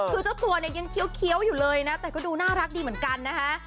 คือเจ้าตัวเนี่ยยังเคี้ยวอยู่เลยนะแต่ก็ดูน่ารักดีเหมือนกันนะคะ